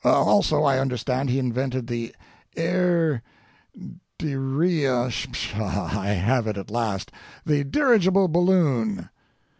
Also, I understand he invented the air—diria—pshaw! I have it at last—the dirigible balloon.